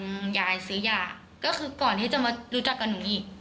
คือที่มันถอดต่างยายซื้อย่างก็คือก่อนที่จะมารู้จักกับหนูอีก